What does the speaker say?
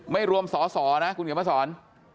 ไม่รวมสอนะคุณเกี่ยวมาสอน